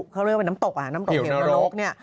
เขาเรียกว่าน้ำตกอ่ะน้ำตกเห็วนรก